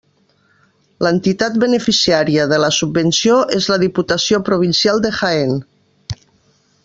L'entitat beneficiària de la subvenció és la Diputació Provincial de Jaén.